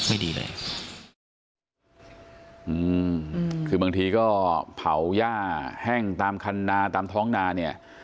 ไม่ดีเลยอืมคือบางทีก็เผาย่าแห้งตามคันนาตามท้องนาเนี่ย